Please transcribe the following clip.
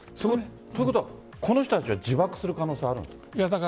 ということは、この人たちは自爆する可能性あるんですか？